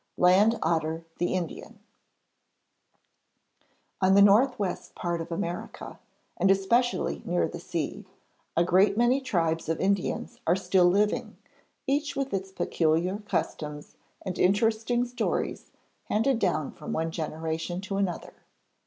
] LAND OTTER THE INDIAN On the North West part of America, and especially near the sea, a great many tribes of Indians are still living, each with its peculiar customs and interesting stories handed down from one generation to another.